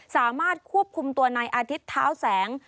สามารถควบคุมตัวนายอาทิตย์เท้าแสง